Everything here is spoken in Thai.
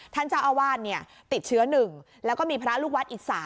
ท่านเจ้าอาวาสติดเชื้อ๑แล้วก็มีพระลูกวัดอีก๓